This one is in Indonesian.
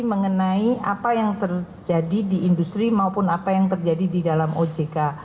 mengenai apa yang terjadi di industri maupun apa yang terjadi di dalam ojk